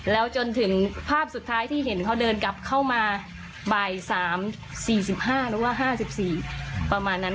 แล้วจนถึงภาพสุดท้ายที่เห็นเขาเดินกลับเข้ามาบ่าย๓๔๕หรือว่า๕๔ประมาณนั้น